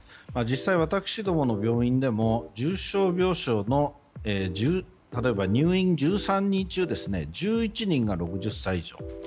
実際、私どもの病院でも重症病床の、例えば入院１３人中１１人が６０歳以上。